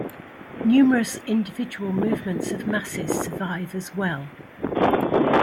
Numerous individual movements of masses survive as well.